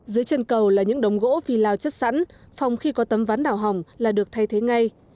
dưới chân cầu là những đống gỗ phi lao chất sẵn phòng khi có tấm ván đảo hỏng là được thay thế ngay